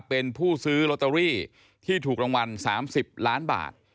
เป็นผู้ซื้อลอตเตอรี่ที่ถูกรางวัล๓๐ล้านบาท